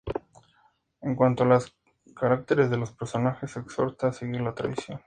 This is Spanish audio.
En cuanto a los caracteres de los personajes, exhorta a seguir la tradición.